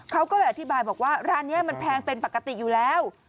เขาก็เลยอธิบายบอกว่าร้านนี้มันแพงเป็นปกติอยู่แล้ว